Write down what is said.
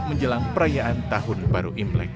menjelang perayaan tahun baru